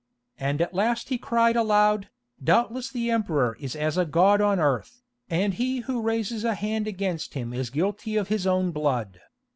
And at last he cried aloud, 'Doubtless the Emperor is as a god on earth, and he who raises a hand against him is guilty of his own blood.